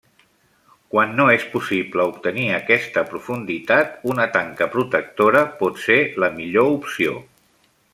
Quan no és possible obtenir aquesta profunditat, una tanca protectora pot ser la millor opció.